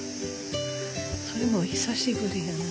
それも久しぶりやな。